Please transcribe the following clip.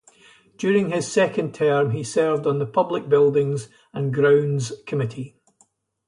During his second term he served on the Public Buildings and Grounds Committee.